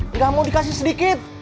nggak mau dikasih sedikit